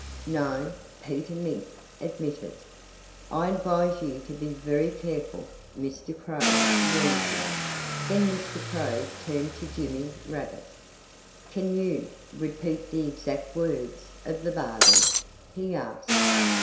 "No," Peter Mink admitted. "I advise you to be very careful," Mr. Crow warned him. Then Mr. Crow turned to Jimmy Rabbit. "Can you repeat the exact words of the bargain?" he asked.